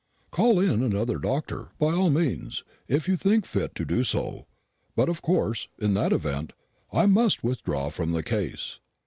Call in another doctor, by all means, if you think fit to do so; but, of course, in that event, I must withdraw from the case.